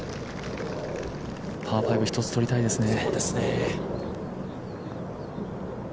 パー５、１つ取りたいですね。